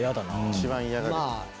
「一番嫌がる」